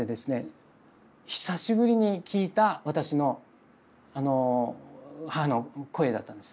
久しぶりに聞いた私の母の声だったんです。